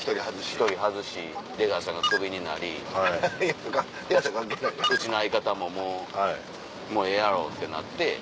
１人外し出川さんがクビになりうちの相方ももうええやろってなって。